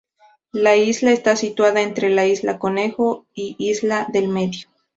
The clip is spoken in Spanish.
La isla está situada entre la isla Conejo y isla del Medio.